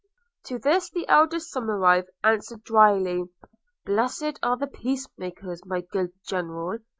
To this the elder Somerive answered drily: 'Blessed are the peace makers, my good General!'